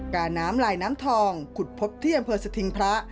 การน้ำลายน้ำทองขุดพบที่อำเภอสถิงพระ